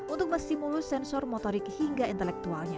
untuk menstimulus sensor motorik hingga intelektualnya